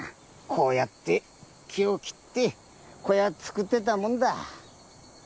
こうやって木を切って小屋作ってたもんだ。